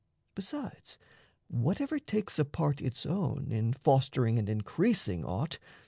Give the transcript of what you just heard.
Besides, whatever takes a part its own In fostering and increasing [aught]...